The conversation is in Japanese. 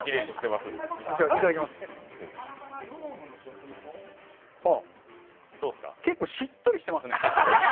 はあ、結構しっとりしてますね。